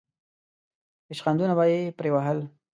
ریشخندونه به یې پرې وهل.